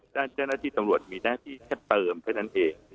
ด้านหน้าที่ตำรวจมีด้านหน้าที่เพิ่มเพราะฉะนั้นเอง